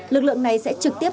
lực lượng này sẽ trực tiếp